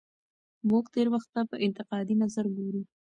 موږ تېر وخت ته په انتقادي نظر ګورو.